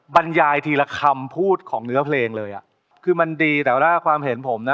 บรรยายทีละคำพูดของเนื้อเพลงเลยอ่ะคือมันดีแต่ว่าความเห็นผมนะ